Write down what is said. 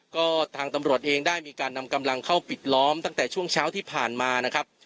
ก็ทางตำรวจเองได้มีการนำกำลังเข้าปิดล้อมตั้งแต่ช่วงเช้าที่ผ่านมานะครับ